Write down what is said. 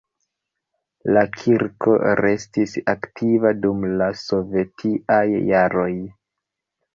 La kirko restis aktiva dum la sovetiaj jaroj.